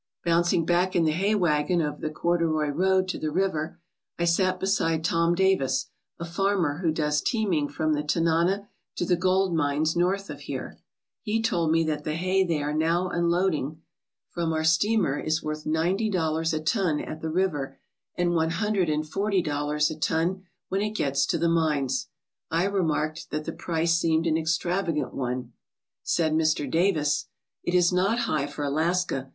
Bouncing back in the hay wagon over the corduroy road to the river, I sat beside Tom Davis, a fanner who does teaming from the Tanana to the gold mines north of here. He told me that the hay they are now unloading from our ALASKA CUR NORTHERN WONDERLAND steamer is worth ninety dollars a ton at the river and one hundred and forty dollars a ton when it gets to the mines. I remarked that the price seemed an extravagant one Said Mr. Davis: " It is not high for Alaska.